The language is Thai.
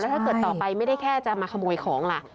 ถ้าเกิดต่อไปไม่ได้แค่จะมาขโมยของล่ะ